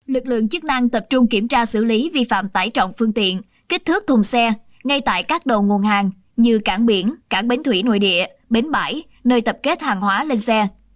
lực lượng chức năng tập trung kiểm tra xử lý vi phạm tải trọng phương tiện kích thước thùng xe ngay tại các đầu nguồn hàng như cảng biển cảng bến thủy nội địa bến bãi nơi tập kết hàng hóa lên xe